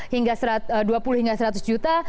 hingga dua puluh hingga seratus juta